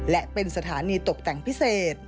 และเป็นสถานีตกแต่งพิเศษ